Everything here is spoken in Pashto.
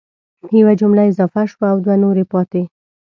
یوه جمله اضافه شوه او دوه نورې پاتي